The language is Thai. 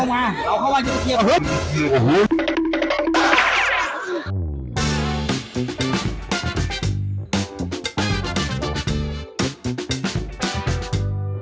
ไม่ต้องไปเคลียร์หัวมันเดี๋ยว